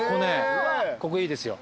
ここいいですよ。